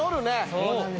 そうなんですよ。